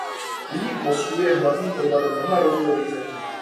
Únik mozků je hlavním problémem mnoha rozvojových zemí.